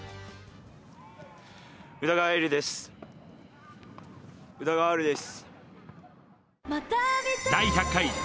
宇田川瑛瑠です。